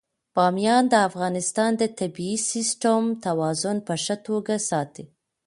بامیان د افغانستان د طبعي سیسټم توازن په ښه توګه ساتي.